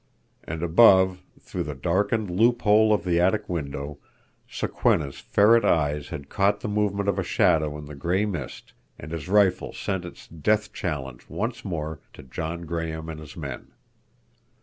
And above, through the darkened loophole of the attic window, Sokwenna's ferret eyes had caught the movement of a shadow in the gray mist, and his rifle sent its death challenge once more to John Graham and his men.